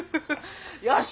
よし！